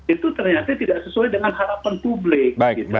itu ternyata tidak sesuai dengan harapan publik